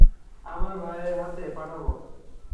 আমার ভাইয়ের হাতে পাঠাবো।